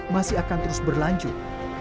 masih akan terus berlanjut